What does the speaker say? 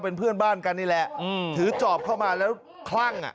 เป็นเพื่อนบ้านกันนี่แหละถือจอบเข้ามาแล้วคลั่งอ่ะ